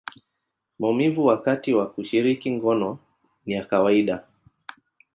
maumivu wakati wa kushiriki ngono ni ya kawaida.